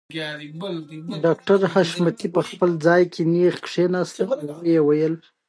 ډاکټر حشمتي په خپل ځای کې نېغ کښېناسته او ويې ويل